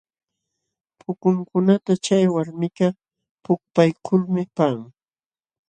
Pukunkunata chay walmikaq pukpaykulmi paqan.